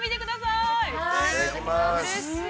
◆いただきます。